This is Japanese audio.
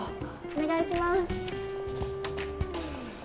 お願いします